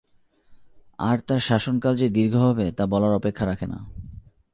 আর তার শাসনকাল যে দীর্ঘ হবে, তা বলার অপেক্ষা রাখে না।